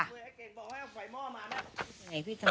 พี่หวันวันนั้นพี่กิน